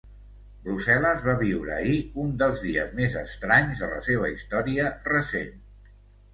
Brussel·les va viure ahir un dels dies més estranys de la seva història recent.